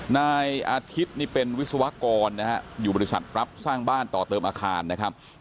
นายอาทิตย์นี่เป็นวิศวกรนะฮะอยู่บริษัทรับสร้างบ้านต่อเติมอาคารนะครับ